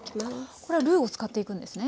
これはルーを使っていくんですね？